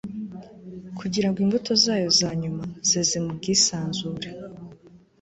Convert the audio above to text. Kugira ngo imbuto zayo za nyuma zeze mu bwisanzure